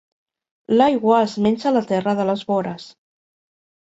L'aigua es menja la terra de les vores.